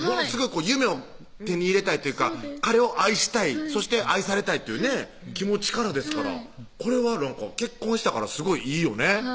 夢を手に入れたいっていうか彼を愛したいそして愛されたいっていうね気持ちからですからこれは結婚したからすごいいいよね